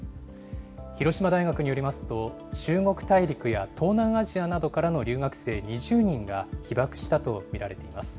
広島大学によりますと、中国大陸や東南アジアからの留学生２０人が被爆したと見られています。